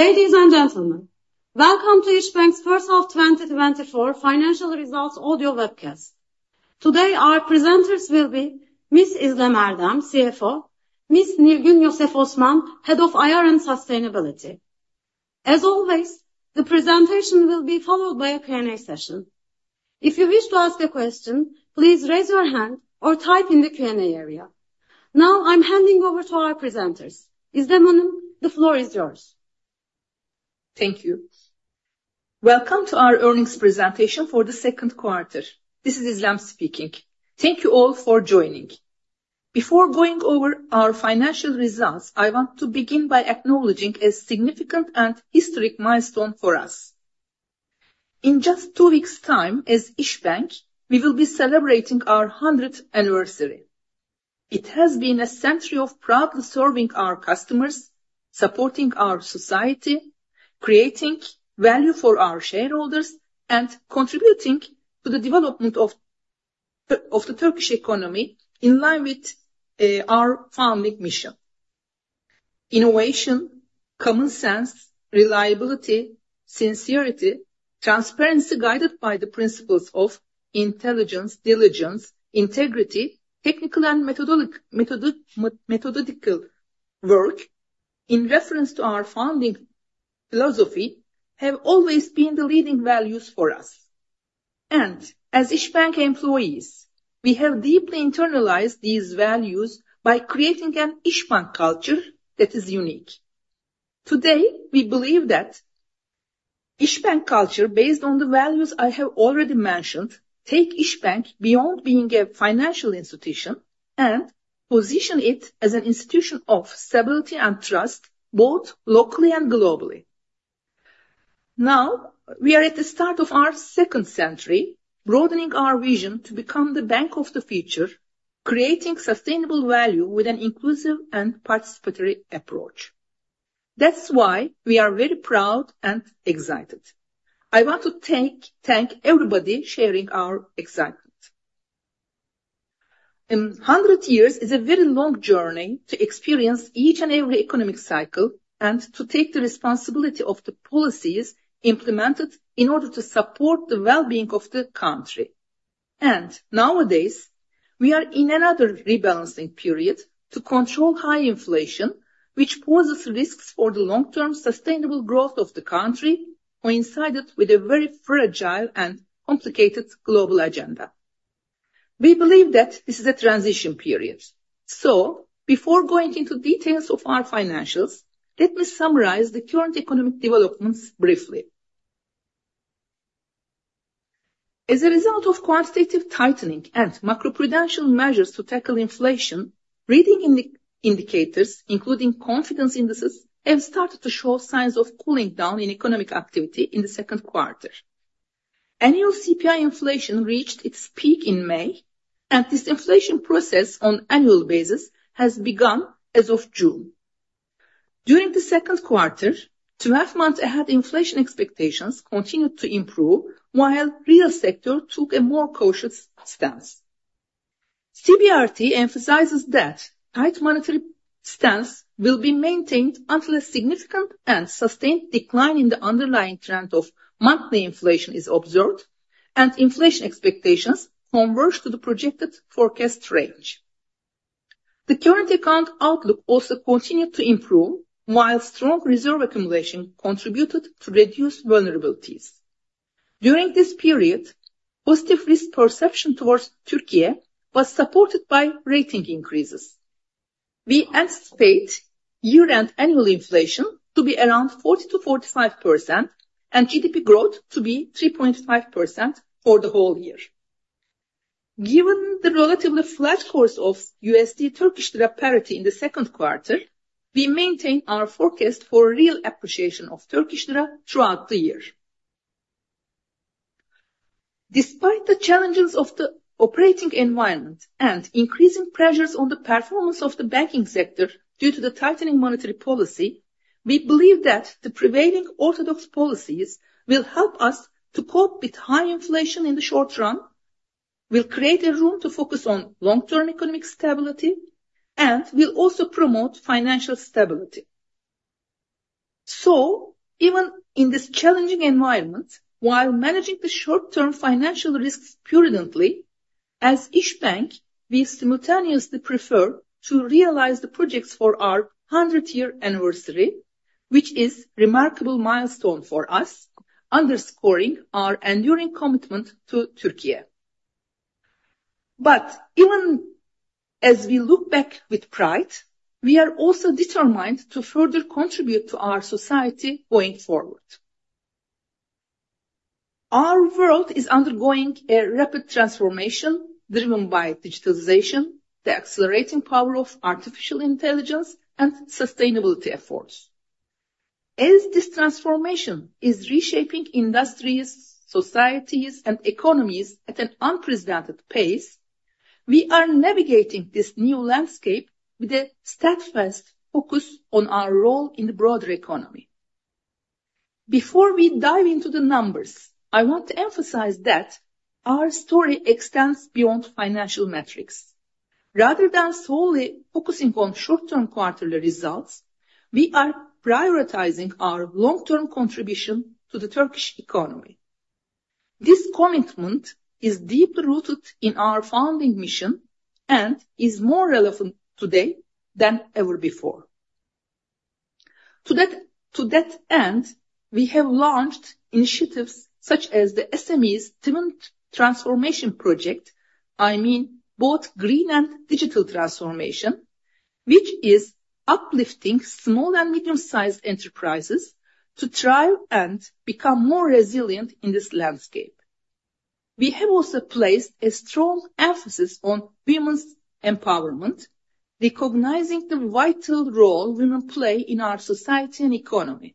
Ladies and gentlemen, welcome to Isbank's first half 2024 financial results audio webcast. Today, our presenters will be Ms. Gamze Yalçın, CFO, Ms. B. İlkay Dalkıran, Head of IR and Sustainability. As always, the presentation will be followed by a Q&A session. If you wish to ask a question, please raise your hand or type in the Q&A area. Now, I'm handing over to our presenters. Gamze Yalçın, the floor is yours. Thank you. Welcome to our earnings presentation for the second quarter. This is İzlem speaking. Thank you all for joining. Before going over our financial results, I want to begin by acknowledging a significant and historic milestone for us. In just two weeks time, as Isbank, we will be celebrating our hundredth anniversary. It has been a century of proudly serving our customers, supporting our society, creating value for our shareholders, and contributing to the development of the Turkish economy in line with our founding mission. Innovation, common sense, reliability, sincerity, transparency, guided by the principles of intelligence, diligence, integrity, technical and methodological work, in reference to our founding philosophy, have always been the leading values for us. As Isbank employees, we have deeply internalized these values by creating an Isbank culture that is unique. Today, we believe that Isbank culture, based on the values I have already mentioned, take Isbank beyond being a financial institution, and position it as an institution of stability and trust, both locally and globally. Now, we are at the start of our second century, broadening our vision to become the bank of the future, creating sustainable value with an inclusive and participatory approach. That's why we are very proud and excited. I want to thank, thank everybody sharing our excitement. 100 years is a very long journey to experience each and every economic cycle, and to take the responsibility of the policies implemented in order to support the well-being of the country. And nowadays, we are in another rebalancing period to control high inflation, which poses risks for the long-term sustainable growth of the country, coincided with a very fragile and complicated global agenda. We believe that this is a transition period. So before going into details of our financials, let me summarize the current economic developments briefly. As a result of quantitative tightening and macro-prudential measures to tackle inflation, leading indicators, including confidence indices, have started to show signs of cooling down in economic activity in the second quarter. Annual CPI inflation reached its peak in May, and disinflation process on annual basis has begun as of June. During the second quarter, 12 months ahead, inflation expectations continued to improve, while real sector took a more cautious stance. CBRT emphasizes that tight monetary stance will be maintained until a significant and sustained decline in the underlying trend of monthly inflation is observed, and inflation expectations converge to the projected forecast range. The current account outlook also continued to improve, while strong reserve accumulation contributed to reduced vulnerabilities. During this period, positive risk perception towards Turkey was supported by rating increases. We anticipate year-end annual inflation to be around 40%-45%, and GDP growth to be 3.5% for the whole year. Given the relatively flat course of USD Turkish Lira parity in the second quarter, we maintain our forecast for real appreciation of Turkish Lira throughout the year. Despite the challenges of the operating environment and increasing pressures on the performance of the banking sector due to the tightening monetary policy, we believe that the prevailing orthodox policies will help us to cope with high inflation in the short run, will create a room to focus on long-term economic stability, and will also promote financial stability. Even in this challenging environment, while managing the short-term financial risks prudently, as Isbank, we simultaneously prefer to realize the projects for our 100-year anniversary, which is remarkable milestone for us, underscoring our enduring commitment to Türkiye. But even as we look back with pride, we are also determined to further contribute to our society going forward. Our world is undergoing a rapid transformation driven by digitalization, the accelerating power of artificial intelligence, and sustainability efforts. As this transformation is reshaping industries, societies, and economies at an unprecedented pace, we are navigating this new landscape with a steadfast focus on our role in the broader economy.... Before we dive into the numbers, I want to emphasize that our story extends beyond financial metrics. Rather than solely focusing on short-term quarterly results, we are prioritizing our long-term contribution to the Turkish economy. This commitment is deeply rooted in our founding mission, and is more relevant today than ever before. To that, to that end, we have launched initiatives such as the SME Twin Transformation Project. I mean, both green and digital transformation, which is uplifting small and medium-sized enterprises to thrive and become more resilient in this landscape. We have also placed a strong emphasis on women's empowerment, recognizing the vital role women play in our society and economy.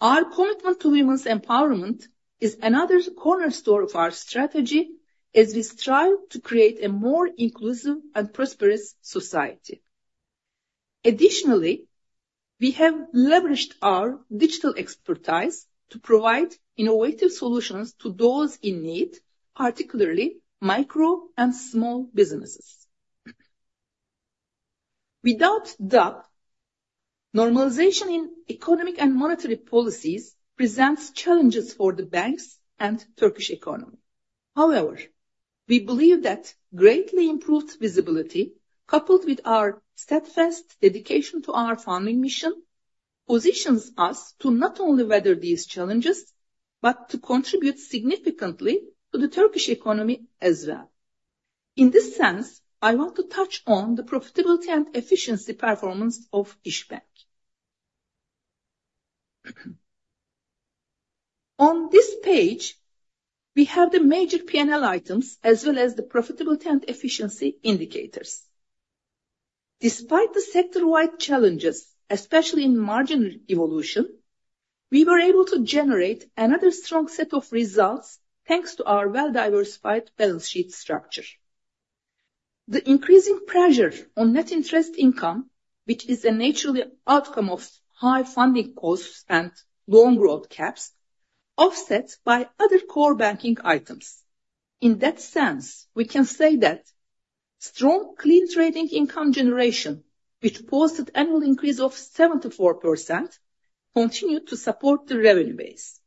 Our commitment to women's empowerment is another cornerstone of our strategy as we strive to create a more inclusive and prosperous society. Additionally, we have leveraged our digital expertise to provide innovative solutions to those in need, particularly micro and small businesses. Without doubt, normalization in economic and monetary policies presents challenges for the banks and Turkish economy. However, we believe that greatly improved visibility, coupled with our steadfast dedication to our founding mission, positions us to not only weather these challenges, but to contribute significantly to the Turkish economy as well. In this sense, I want to touch on the profitability and efficiency performance of Isbank. On this page, we have the major P&L items as well as the profitability and efficiency indicators. Despite the sector-wide challenges, especially in margin evolution, we were able to generate another strong set of results, thanks to our well-diversified balance sheet structure. The increasing pressure on net interest income, which is a natural outcome of high funding costs and loan growth caps, offset by other core banking items. In that sense, we can say that strong clean trading income generation, which posted annual increase of 74%, continued to support the revenue base.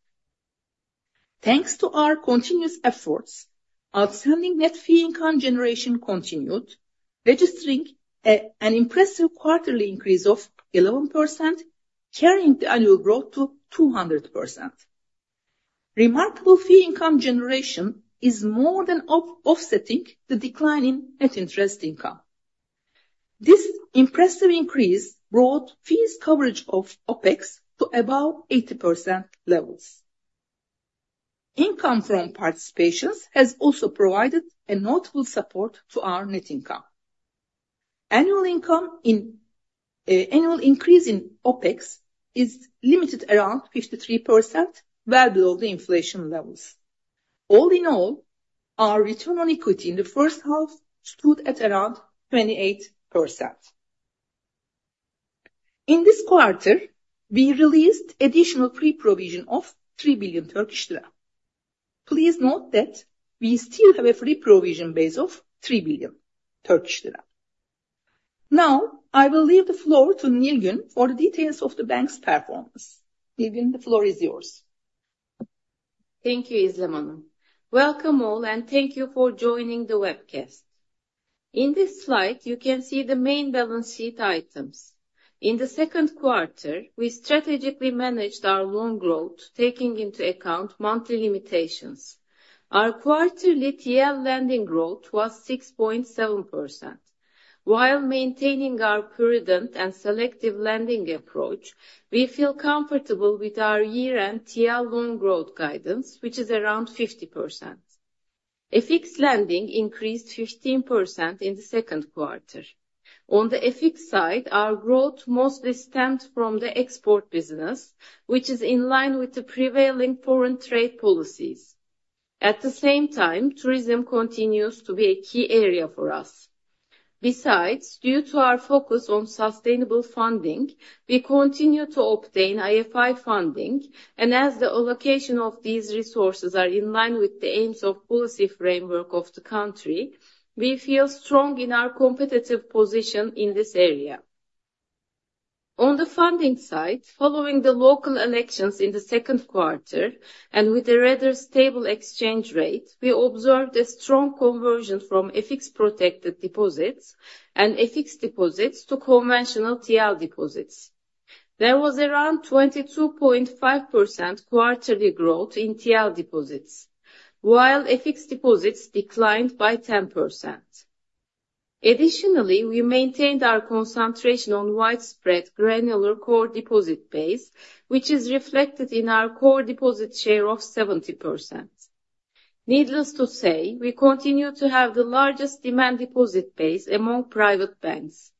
Thanks to our continuous efforts, outstanding net fee income generation continued, registering an impressive quarterly increase of 11%, carrying the annual growth to 200%. Remarkable fee income generation is more than offsetting the decline in net interest income. This impressive increase brought fees coverage of OpEx to above 80% levels. Income from participations has also provided a notable support to our net income. Annual increase in OpEx is limited around 53%, well below the inflation levels. All in all, our return on equity in the first half stood at around 28%. In this quarter, we released additional pre-provision of 3 billion Turkish lira. Please note that we still have a free provision base of 3 billion Turkish lira. Now, I will leave the floor to Nilgün for the details of the bank's performance. Nilgün, the floor is yours. Thank you, İzlem Hanım. Welcome all, and thank you for joining the webcast. In this slide, you can see the main balance sheet items. In the second quarter, we strategically managed our loan growth, taking into account monthly limitations. Our quarterly TL lending growth was 6.7%. While maintaining our prudent and selective lending approach, we feel comfortable with our year-end TL loan growth guidance, which is around 50%. FX lending increased 15% in the second quarter. On the FX side, our growth mostly stemmed from the export business, which is in line with the prevailing foreign trade policies. At the same time, tourism continues to be a key area for us. Besides, due to our focus on sustainable funding, we continue to obtain IFI funding, and as the allocation of these resources are in line with the aims of policy framework of the country, we feel strong in our competitive position in this area. On the funding side, following the local elections in the second quarter, and with a rather stable exchange rate, we observed a strong conversion from FX-protected deposits and FX deposits to conventional TL deposits. There was around 22.5% quarterly growth in TL deposits, while FX deposits declined by 10%. Additionally, we maintained our concentration on widespread granular core deposit base, which is reflected in our core deposit share of 70%. Needless to say, we continue to have the largest demand deposit base among private banks.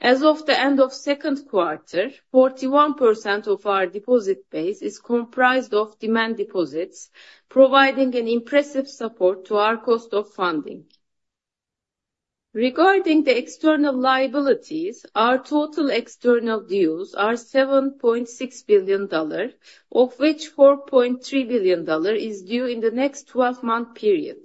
As of the end of second quarter, 41% of our deposit base is comprised of demand deposits, providing an impressive support to our cost of funding. Regarding the external liabilities, our total external dues are $7.6 billion, of which $4.3 billion is due in the next 12-month period.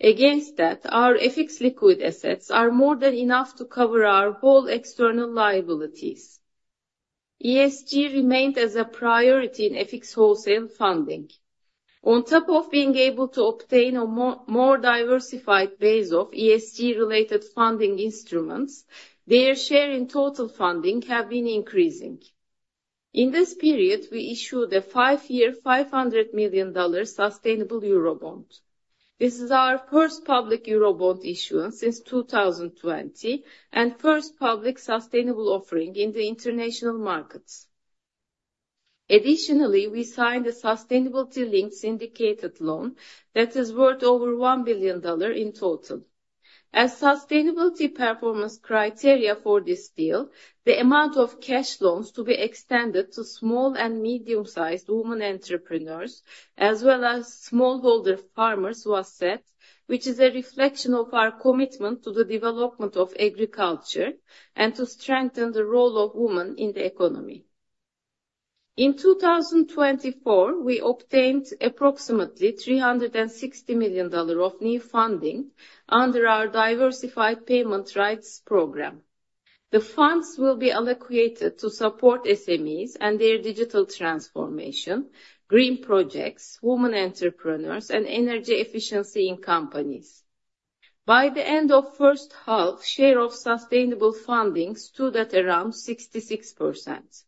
Against that, our FX liquid assets are more than enough to cover our whole external liabilities. ESG remained as a priority in FX wholesale funding. On top of being able to obtain a more, more diversified base of ESG-related funding instruments, their share in total funding have been increasing. In this period, we issued a 5-year, $500 million sustainable Eurobond. This is our first public Eurobond issuance since 2020, and first public sustainable offering in the international markets. Additionally, we signed a sustainability-linked syndicated loan that is worth over $1 billion in total. As sustainability performance criteria for this deal, the amount of cash loans to be extended to small and medium-sized women entrepreneurs, as well as smallholder farmers, was set. Which is a reflection of our commitment to the development of agriculture, and to strengthen the role of women in the economy. In 2024, we obtained approximately $360 million of new funding under our Diversified Payment Rights program. The funds will be allocated to support SMEs and their digital transformation, green projects, women entrepreneurs, and energy efficiency in companies. By the end of first half, share of sustainable funding stood at around 66%.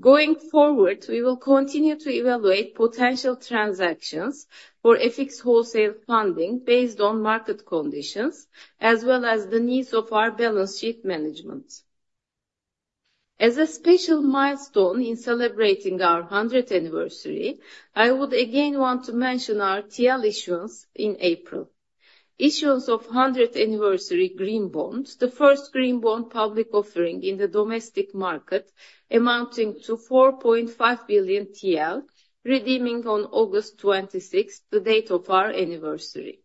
Going forward, we will continue to evaluate potential transactions for FX wholesale funding based on market conditions, as well as the needs of our balance sheet management. As a special milestone in celebrating our 100th anniversary, I would again want to mention our TL issuance in April. Issuance of 100th Anniversary Green Bond, the first green bond public offering in the domestic market, amounting to 4.5 billion TL, redeeming on August 26th, the date of our anniversary.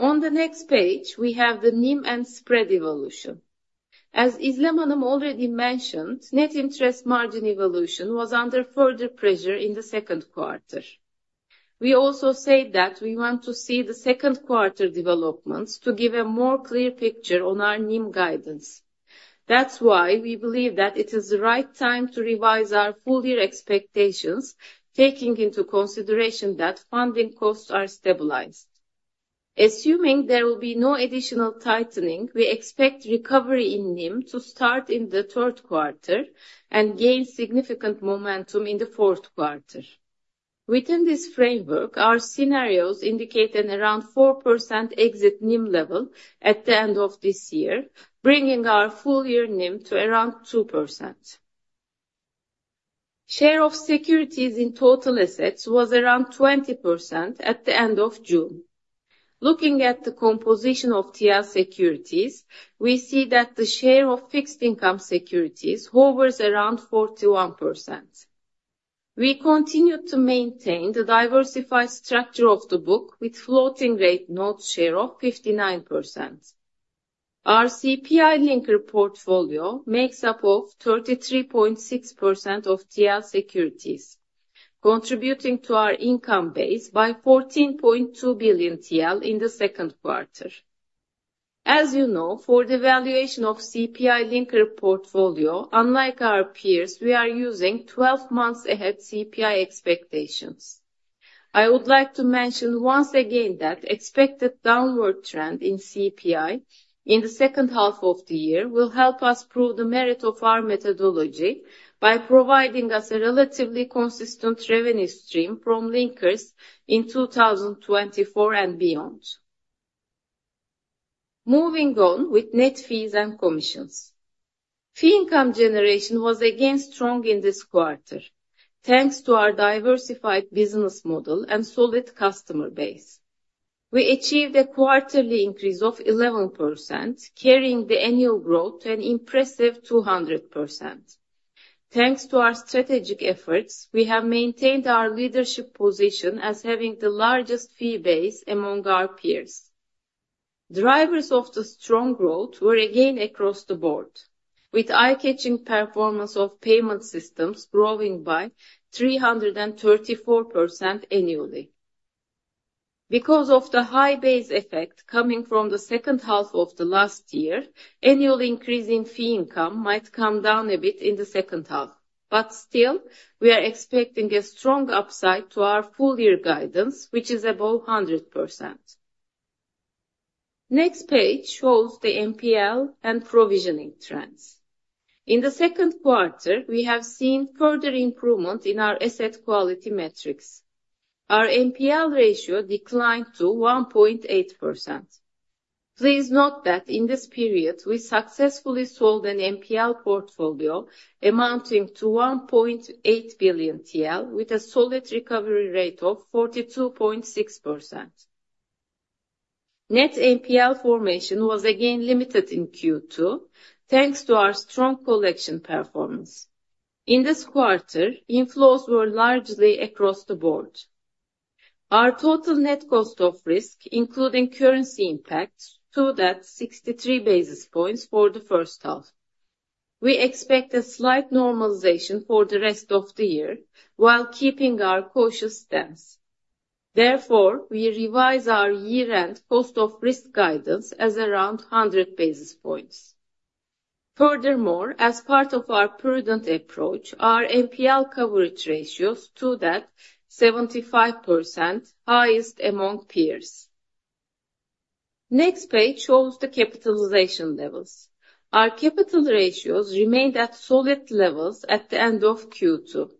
On the next page, we have the NIM and spread evolution. As İzlem already mentioned, net interest margin evolution was under further pressure in the second quarter. We also said that we want to see the second quarter developments to give a more clear picture on our NIM guidance. That's why we believe that it is the right time to revise our full year expectations, taking into consideration that funding costs are stabilized. Assuming there will be no additional tightening, we expect recovery in NIM to start in the third quarter and gain significant momentum in the fourth quarter. Within this framework, our scenarios indicate an around 4% exit NIM level at the end of this year, bringing our full year NIM to around 2%. Share of securities in total assets was around 20% at the end of June. Looking at the composition of TL securities, we see that the share of fixed income securities hovers around 41%. We continue to maintain the diversified structure of the book with floating rate notes share of 59%. Our CPI-linked portfolio makes up of 33.6% of TL securities, contributing to our income base by 14.2 billion TL in the second quarter. As you know, for the valuation of CPI linker portfolio, unlike our peers, we are using 12 months ahead CPI expectations. I would like to mention once again that expected downward trend in CPI in the second half of the year will help us prove the merit of our methodology by providing us a relatively consistent revenue stream from linkers in 2024 and beyond. Moving on with net fees and commissions. Fee income generation was again strong in this quarter, thanks to our diversified business model and solid customer base. We achieved a quarterly increase of 11%, carrying the annual growth to an impressive 200%. Thanks to our strategic efforts, we have maintained our leadership position as having the largest fee base among our peers. Drivers of the strong growth were again across the board, with eye-catching performance of payment systems growing by 334% annually. Because of the high base effect coming from the second half of the last year, annual increase in fee income might come down a bit in the second half, but still, we are expecting a strong upside to our full year guidance, which is above 100%. Next page shows the NPL and provisioning trends. In the second quarter, we have seen further improvement in our asset quality metrics. Our NPL ratio declined to 1.8%. Please note that in this period, we successfully sold an NPL portfolio amounting to 1.8 billion TL, with a solid recovery rate of 42.6%. Net NPL formation was again limited in Q2, thanks to our strong collection performance. In this quarter, inflows were largely across the board. Our total net cost of risk, including currency impacts, stood at 63 basis points for the first half. We expect a slight normalization for the rest of the year, while keeping our cautious stance. Therefore, we revise our year-end cost of risk guidance as around 100 basis points. Furthermore, as part of our prudent approach, our NPL coverage ratios stood at 75%, highest among peers. Next page shows the capitalization levels. Our capital ratios remained at solid levels at the end of Q2.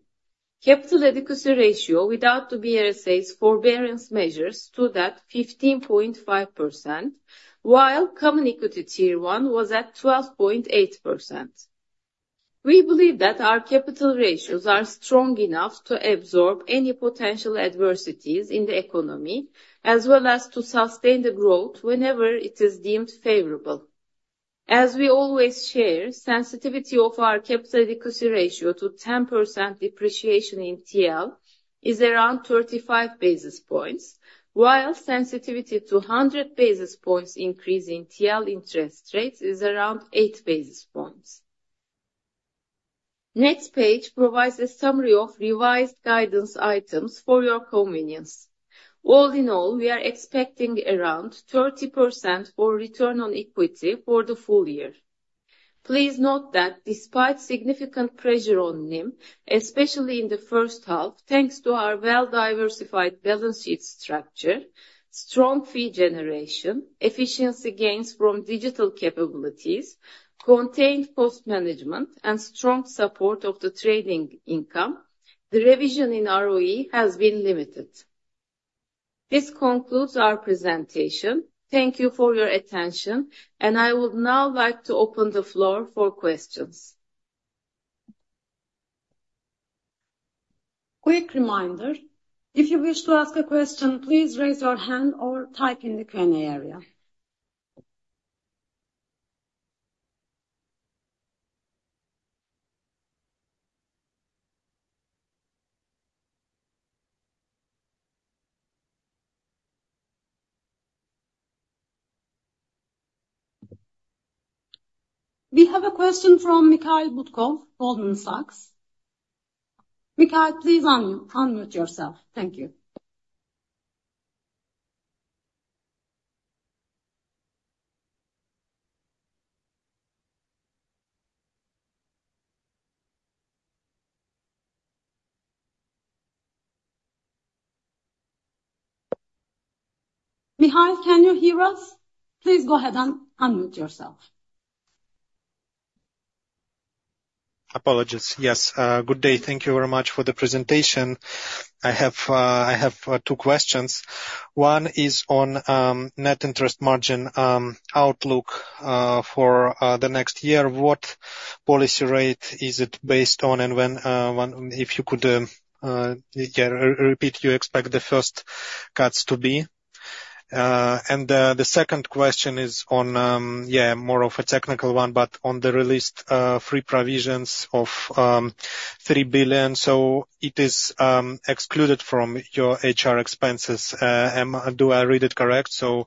Capital Adequacy Ratio without the BRSA's forbearance measures stood at 15.5%, while Common Equity Tier 1 was at 12.8%. We believe that our capital ratios are strong enough to absorb any potential adversities in the economy, as well as to sustain the growth whenever it is deemed favorable. As we always share, sensitivity of our Capital Adequacy Ratio to 10% depreciation in TL is around 35 basis points, while sensitivity to 100 basis points increase in TL interest rates is around 8 basis points. Next page provides a summary of revised guidance items for your convenience. All in all, we are expecting around 30% for return on equity for the full year. Please note that despite significant pressure on NIM, especially in the first half, thanks to our well-diversified balance sheet structure, strong fee generation, efficiency gains from digital capabilities, contained cost management, and strong support of the trading income, the revision in ROE has been limited. This concludes our presentation. Thank you for your attention, and I would now like to open the floor for questions. Quick reminder, if you wish to ask a question, please raise your hand or type in the Q&A area. We have a question from Mikhail Butkov, Goldman Sachs. Mikhail, please unmute yourself. Thank you. Mikhail, can you hear us? Please go ahead and unmute yourself. Apologies. Yes. Good day. Thank you very much for the presentation. I have two questions. One is on net interest margin outlook for the next year. What policy rate is it based on? And when—if you could, yeah, repeat you expect the first cuts to be. And the second question is on, yeah, more of a technical one, but on the released free provisions of 3 billion, so it is excluded from your HR expenses. Do I read it correct? So,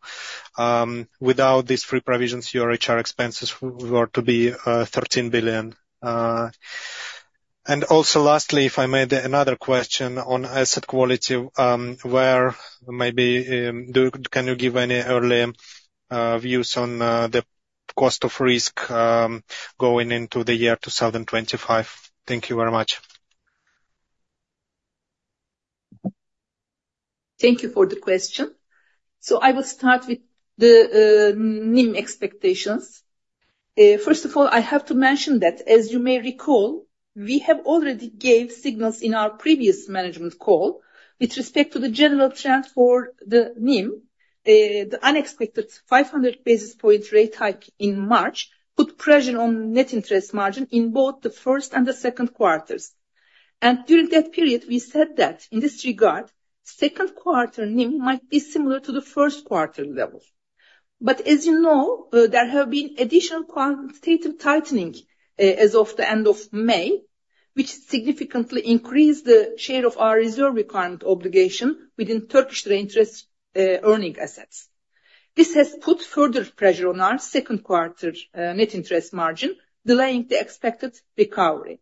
without these free provisions, your HR expenses were to be 13 billion. And also lastly, if I may add another question on asset quality, where maybe do... Can you give any early views on the cost of risk going into the year 2025? Thank you very much. Thank you for the question. So I will start with the NIM expectations. First of all, I have to mention that, as you may recall, we have already gave signals in our previous management call with respect to the general trend for the NIM. The unexpected 500 basis point rate hike in March put pressure on net interest margin in both the first and the second quarters. And during that period, we said that, in this regard, second quarter NIM might be similar to the first quarter level. But as you know, there have been additional quantitative tightening as of the end of May, which significantly increased the share of our reserve requirement obligation within Turkish interest earning assets. This has put further pressure on our second quarter net interest margin, delaying the expected recovery.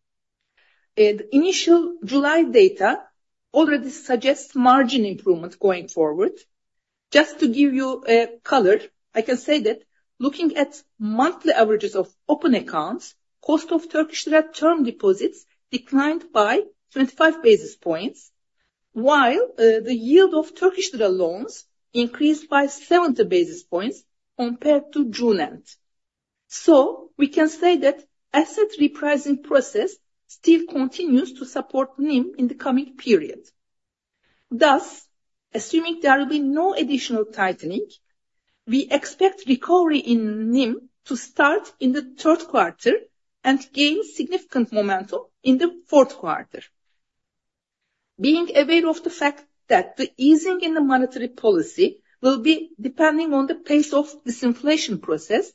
The initial July data already suggests margin improvement going forward. Just to give you a color, I can say that looking at monthly averages of open accounts, cost of Turkish Lira term deposits declined by 25 basis points, while the yield of Turkish Lira loans increased by 70 basis points compared to June end. So we can say that asset repricing process still continues to support NIM in the coming period. Thus, assuming there will be no additional tightening, we expect recovery in NIM to start in the third quarter and gain significant momentum in the fourth quarter.... being aware of the fact that the easing in the monetary policy will be depending on the pace of disinflation process,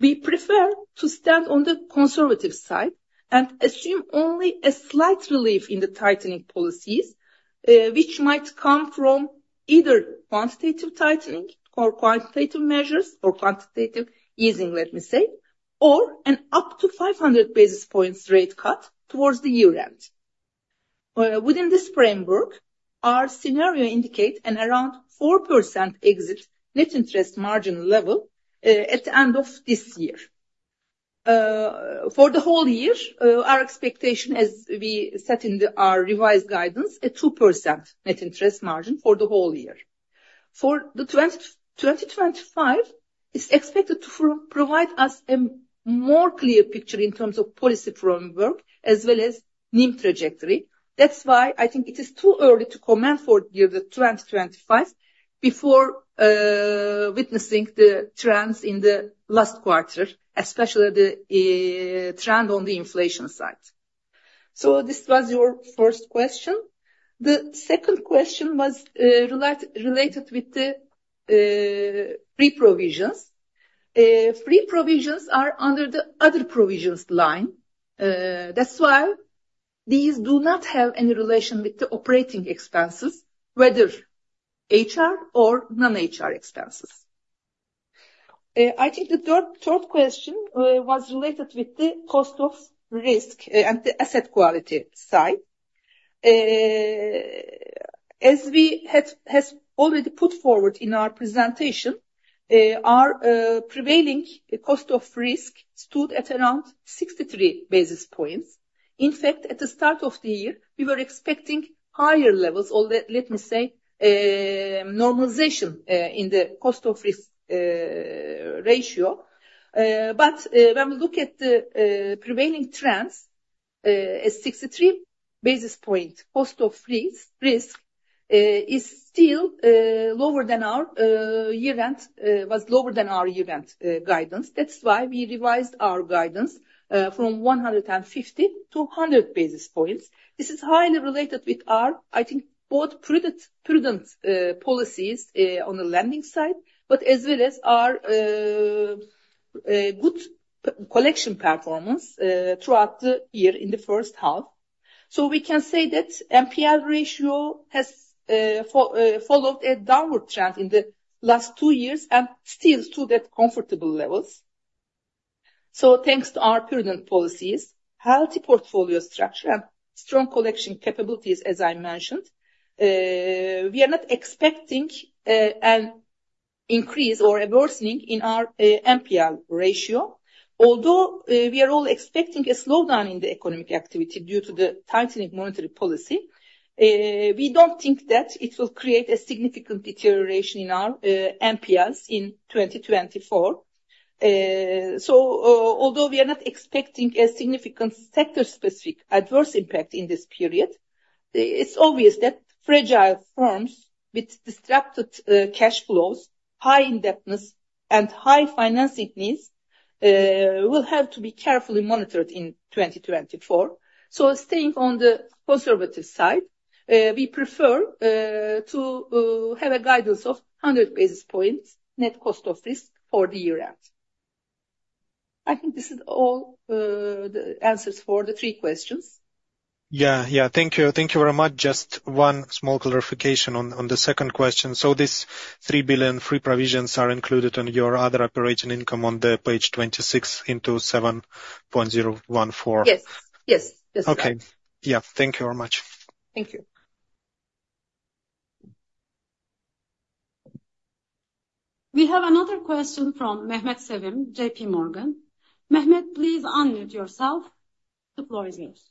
we prefer to stand on the conservative side and assume only a slight relief in the tightening policies, which might come from either quantitative tightening or quantitative measures or quantitative easing, let me say, or up to 500 basis points rate cut towards the year end. Within this framework, our scenario indicate an around 4% exit net interest margin level, at the end of this year. For the whole year, our expectation as we set in the- our revised guidance, a 2% net interest margin for the whole year. For 2025, it's expected to provide us a more clear picture in terms of policy framework as well as NIM trajectory. That's why I think it is too early to comment for year 2025, before witnessing the trends in the last quarter, especially the trend on the inflation side. So this was your first question. The second question was related with the pre-provisions. Pre-provisions are under the other provisions line. That's why these do not have any relation with the operating expenses, whether HR or non-HR expenses. I think the third question was related with the cost of risk and the asset quality side. As we has already put forward in our presentation, our prevailing cost of risk stood at around 63 basis points. In fact, at the start of the year, we were expecting higher levels, or let me say, normalization in the cost of risk ratio. But when we look at the prevailing trends, a 63 basis point cost of risk is still lower than our year-end guidance. That's why we revised our guidance from 150-100 basis points. This is highly related with our, I think, both prudent policies on the lending side, but as well as our good collection performance throughout the year in the first half. So we can say that NPL ratio has followed a downward trend in the last two years and still stood at comfortable levels. So thanks to our prudent policies, healthy portfolio structure and strong collection capabilities as I mentioned, we are not expecting an increase or a worsening in our NPL ratio. Although we are all expecting a slowdown in the economic activity due to the tightening monetary policy, we don't think that it will create a significant deterioration in our NPLs in 2024. So although we are not expecting a significant sector-specific adverse impact in this period, it's obvious that fragile firms with disrupted cash flows, high indebtedness, and high financing needs will have to be carefully monitored in 2024. So staying on the conservative side, we prefer to have a guidance of 100 basis points net cost of risk for the year end. I think this is all the answers for the three questions. Yeah, yeah. Thank you. Thank you very much. Just one small clarification on, on the second question. So this 3 billion free provisions are included on your other operating income on the page 26 into 7.014? Yes, yes, that's right. Okay. Yeah, thank you very much. Thank you. We have another question from Mehmet Sevim, JPMorgan. Mehmet, please unmute yourself. The floor is yours.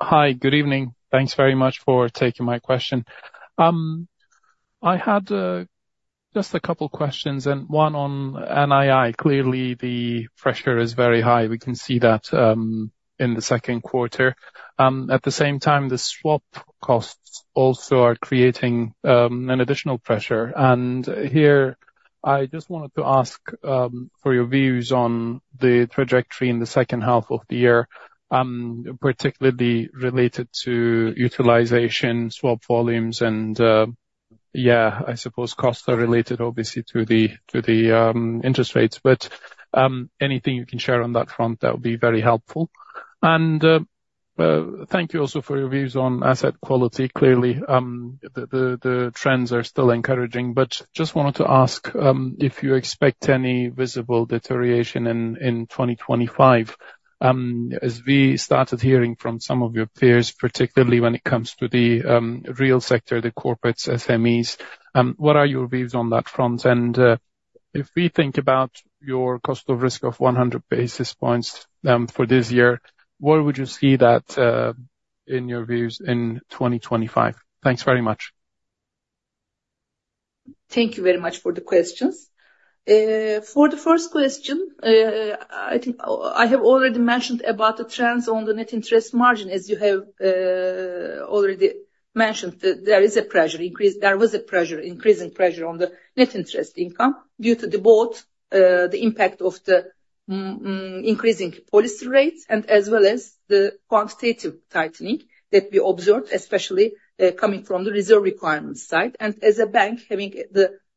Hi, good evening. Thanks very much for taking my question. I had just a couple questions, and one on NII. Clearly, the pressure is very high. We can see that in the second quarter. At the same time, the swap costs also are creating an additional pressure. And here, I just wanted to ask for your views on the trajectory in the second half of the year, particularly related to utilization, swap volumes, and yeah, I suppose costs are related obviously to the, to the interest rates. But anything you can share on that front, that would be very helpful. And thank you also for your views on asset quality. Clearly, the trends are still encouraging, but just wanted to ask, if you expect any visible deterioration in 2025, as we started hearing from some of your peers, particularly when it comes to the real sector, the corporates, SMEs, what are your views on that front? And, if we think about your cost of risk of 100 basis points, for this year, where would you see that, in your views in 2025? Thanks very much. Thank you very much for the questions. For the first question, I think I have already mentioned about the trends on the net interest margin, as you have already mentioned that there is a pressure increase. There was a pressure, increasing pressure on the net interest income due to both the impact of the increasing policy rates, and as well as the quantitative tightening that we observed, especially coming from the reserve requirement side. And as a bank, having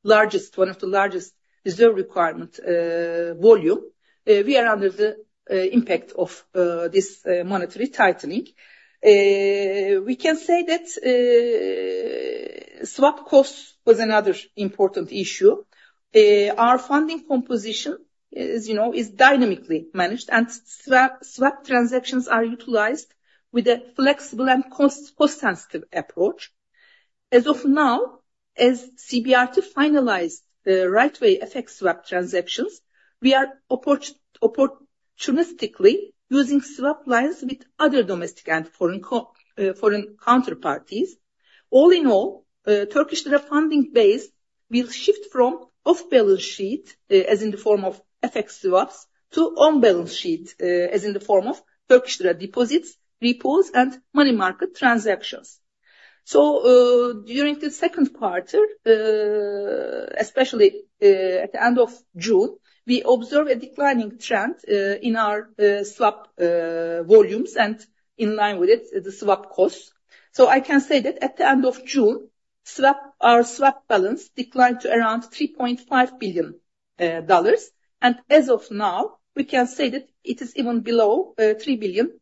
one of the largest reserve requirement volume, we are under the impact of this monetary tightening. We can say that swap costs was another important issue. Our funding composition is, you know, dynamically managed, and swap transactions are utilized with a flexible and cost-sensitive approach. As of now, as CBRT to finalize the right way effect swap transactions, we are opportunistically using swap lines with other domestic and foreign counterparties. All in all, Turkish Lira funding base will shift from off-balance sheet, as in the form of FX swaps, to on-balance sheet, as in the form of Turkish Lira deposits, repos, and money market transactions. So, during the second quarter, especially at the end of June, we observed a declining trend in our swap volumes, and in line with it, the swap costs. So I can say that at the end of June, our swap balance declined to around $3.5 billion. And as of now, we can say that it is even below $3 billion.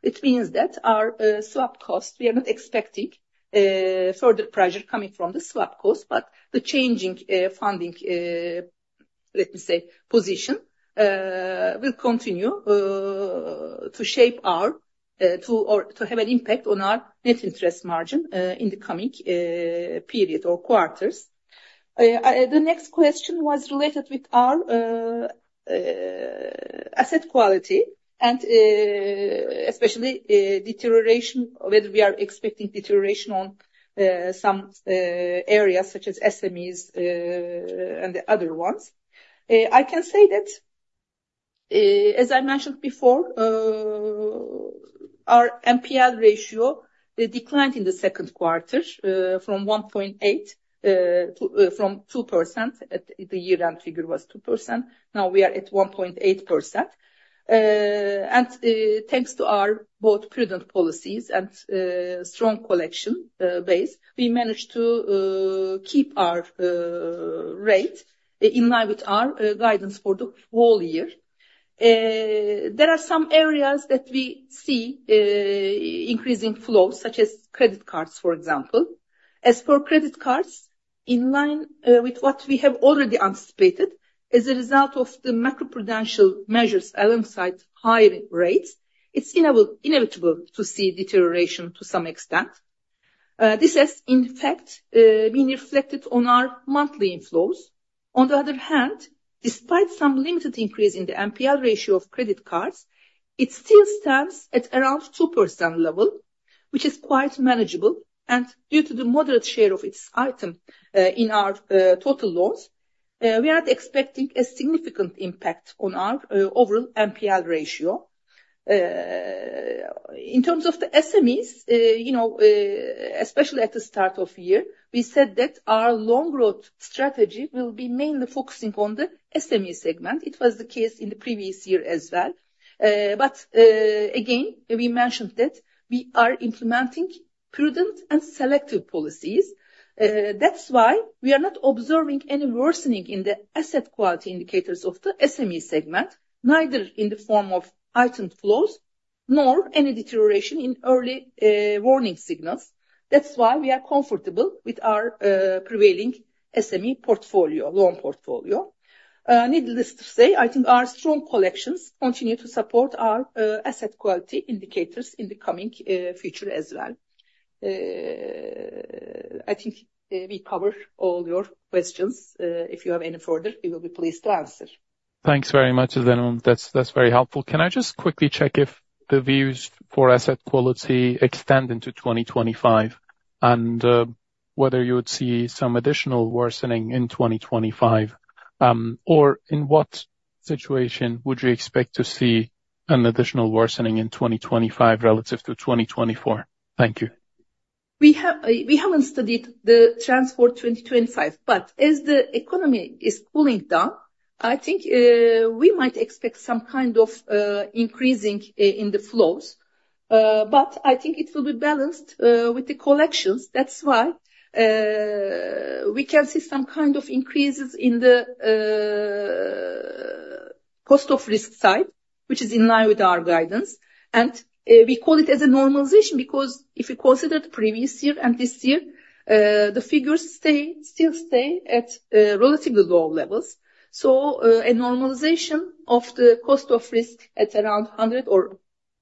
Which means that our swap costs, we are not expecting further pressure coming from the swap costs, but the changing funding, let me say, position, will continue to shape our or to have an impact on our net interest margin in the coming period or quarters. The next question was related with our asset quality and especially deterioration, whether we are expecting deterioration on some areas such as SMEs and the other ones. I can say that, as I mentioned before, our NPL ratio, it declined in the second quarter from 2%, at the year-end figure was 2%, now we are at 1.8%. Thanks to our both prudent policies and strong collection base, we managed to keep our rate in line with our guidance for the whole year. There are some areas that we see increasing flows, such as credit cards, for example. As for credit cards, in line with what we have already anticipated, as a result of the macro-prudential measures alongside higher rates, it's inevitable to see deterioration to some extent. This has, in fact, been reflected on our monthly inflows. On the other hand, despite some limited increase in the NPL ratio of credit cards, it still stands at around 2% level, which is quite manageable, and due to the moderate share of its item in our total loans, we are not expecting a significant impact on our overall NPL ratio. In terms of the SMEs, you know, especially at the start of year, we said that our long road strategy will be mainly focusing on the SME segment. It was the case in the previous year as well. But, again, we mentioned that we are implementing prudent and selective policies. That's why we are not observing any worsening in the asset quality indicators of the SME segment, neither in the form of NPL flows, nor any deterioration in early warning signals. That's why we are comfortable with our prevailing SME portfolio, loan portfolio. Needless to say, I think our strong collections continue to support our asset quality indicators in the coming future as well. I think we covered all your questions. If you have any further, we will be pleased to answer. Thanks very much, İzlem. That's, that's very helpful. Can I just quickly check if the views for asset quality extend into 2025, and whether you would see some additional worsening in 2025? Or in what situation would you expect to see an additional worsening in 2025 relative to 2024? Thank you. We haven't studied the trends for 2025, but as the economy is cooling down, I think we might expect some kind of increasing in the flows. But I think it will be balanced with the collections. That's why we can see some kind of increases in the cost of risk side, which is in line with our guidance. And we call it as a normalization, because if you consider the previous year and this year, the figures still stay at relatively low levels. So a normalization of the cost of risk at around 100 or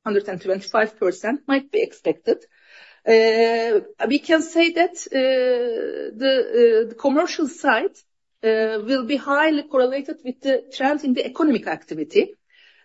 125% might be expected. We can say that the commercial side will be highly correlated with the trends in the economic activity.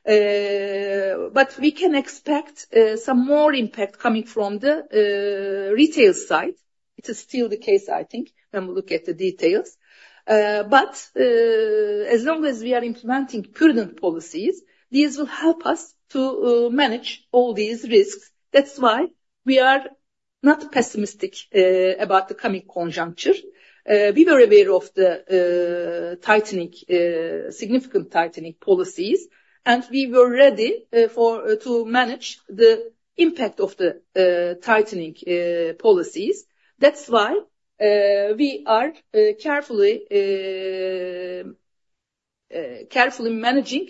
But we can expect some more impact coming from the retail side. It is still the case, I think, when we look at the details. But as long as we are implementing prudent policies, these will help us to manage all these risks. That's why we are not pessimistic about the coming conjuncture. We were aware of the tightening, significant tightening policies, and we were ready to manage the impact of the tightening policies. That's why we are carefully managing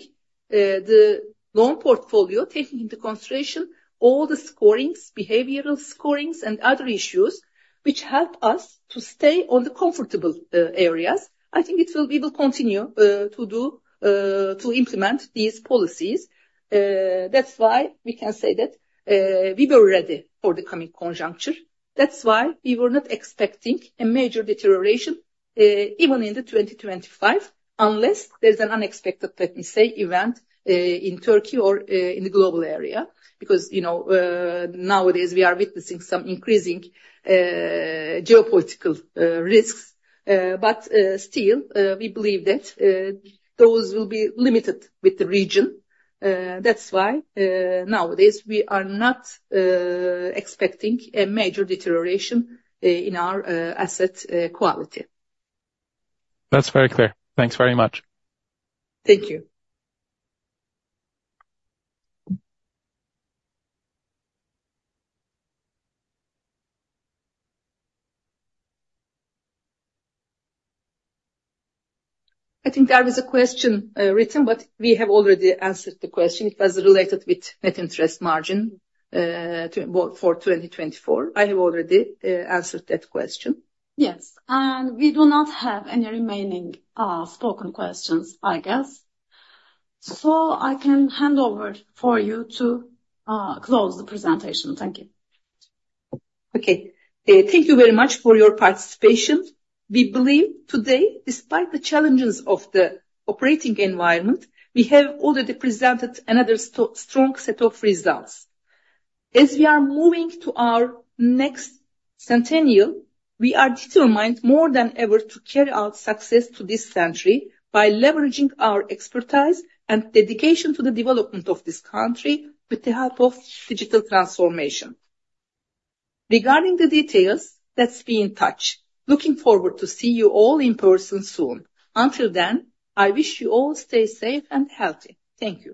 the loan portfolio, taking into consideration all the scorings, behavioral scorings and other issues, which help us to stay on the comfortable areas. I think we will continue to implement these policies. That's why we can say that we were ready for the coming conjuncture. That's why we were not expecting a major deterioration even in 2025, unless there's an unexpected, let me say, event in Turkey or in the global area. Because, you know, nowadays we are witnessing some increasing geopolitical risks. But still, we believe that those will be limited with the region. That's why nowadays, we are not expecting a major deterioration in our asset quality. That's very clear. Thanks very much. Thank you. I think there was a question, written, but we have already answered the question. It was related with net interest margin, for 2024. I have already answered that question. Yes, and we do not have any remaining, spoken questions, I guess. So I can hand over for you to, close the presentation. Thank you. Okay. Thank you very much for your participation. We believe today, despite the challenges of the operating environment, we have already presented another strong set of results. As we are moving to our next centennial, we are determined more than ever to carry our success to this century by leveraging our expertise and dedication to the development of this country with the help of digital transformation. Regarding the details, let's be in touch. Looking forward to see you all in person soon. Until then, I wish you all stay safe and healthy. Thank you.